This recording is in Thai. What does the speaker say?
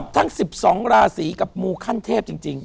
ทั้ง๑๒ราศีกับมูขั้นเทพจริง